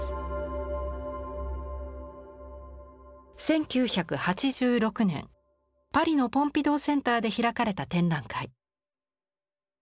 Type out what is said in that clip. １９８６年パリのポンピドゥー・センターで開かれた展覧会。